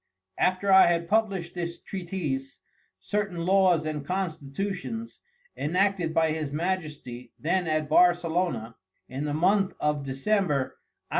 After I had published this Treatise, certain Laws and Constitutions, enacted by his Majesty then at Baraclona in the Month of _December, An.